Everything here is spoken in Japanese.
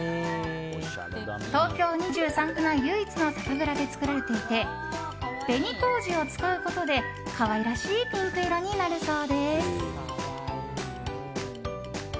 東京２３区内唯一の酒蔵で作られていて紅麹を使うことで、可愛らしいピンク色になるそうです。